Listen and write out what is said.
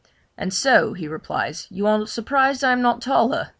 'And so,' he replies, 'you are surprised I am not taller!